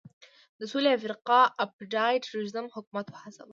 د سوېلي افریقا اپارټایډ رژیم حکومت وهڅاوه.